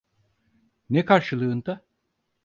Ne karşılığında?